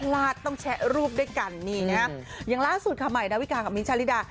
ลาดต้องแชะรูปด้วยกันยังล่าสุดค่ะใหม่ดาวิการกับมินชาฬิดา